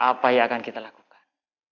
apa yang akan kita lakukan